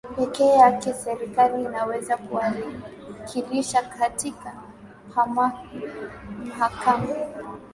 pekee yake serikali inaweza kuakilisha katika mahakama